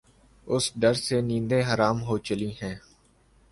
اس ڈر سے نیندیں حرام ہو چلی ہیں۔